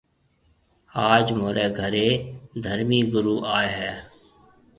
آج مهوريَ گهري ڌرمِي گُرو آئي هيَ۔